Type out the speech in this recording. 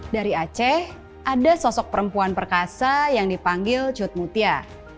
dari aceh ada sosok perempuan perkasa yang dipanggil cut mutia